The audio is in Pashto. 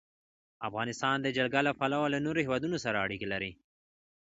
افغانستان د جلګه له پلوه له نورو هېوادونو سره اړیکې لري.